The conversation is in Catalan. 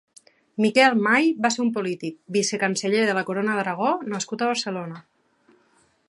Miquel Mai va ser un polític, vicecanceller de la Corona d'Aragó nascut a Barcelona.